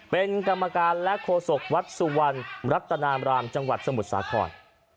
เป็นกรรมการและโฆษกวัดสุวรรณรัตนามรามจังหวัดสมุทรสาคร